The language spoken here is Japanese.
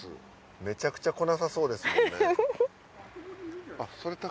めちゃくちゃ来なさそうですよね。